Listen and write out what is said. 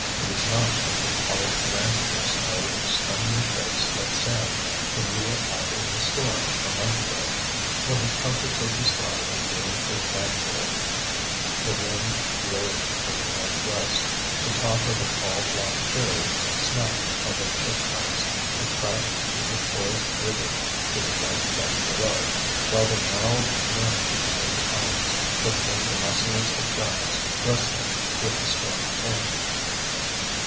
It is not like the hard, granular snow which stung your face like sand when you were out in the storm a month ago, when the trumpets of the sky were doing a fanfare, the wind raged from the northwest, the top of a tall black cherry snapped like a shipmast and crashed through the forest rigging to the white deck below, while the gnarled limbs of the big elms looked like the muscles of giants wrestling with the storm king.